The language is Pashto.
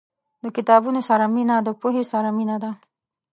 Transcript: • د کتابونو سره مینه، د پوهې سره مینه ده.